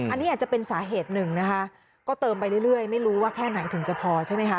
อันนี้อาจจะเป็นสาเหตุหนึ่งนะคะก็เติมไปเรื่อยไม่รู้ว่าแค่ไหนถึงจะพอใช่ไหมคะ